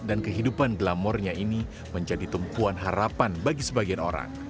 dan kehidupan glamornya ini menjadi tumpuan harapan bagi sebagian orang